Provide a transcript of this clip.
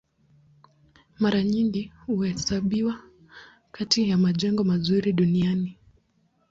Mara nyingi huhesabiwa kati ya majengo mazuri duniani.